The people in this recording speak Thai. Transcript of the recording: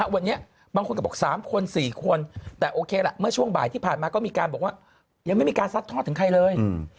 วันนี้บางคนก็บอก๓คน๔คนแต่โอเคล่ะเมื่อช่วงบ่ายที่ผ่านมาก็มีการบอกว่ายังไม่มีการซัดทอดถึงใครเลย